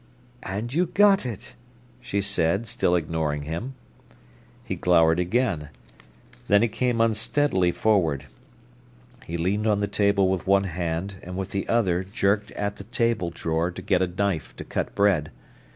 "And you got it," she said, still ignoring him. He glowered again. Then he came unsteadily forward. He leaned on the table with one hand, and with the other jerked at the table drawer to get a knife to cut bread.